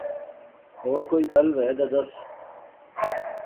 ہور کوئی گل وے دے دس